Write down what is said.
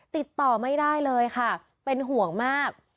ติดต่อไม่ได้เลยค่ะเป็นห่วงมาก